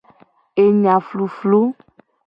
Enya fluflu.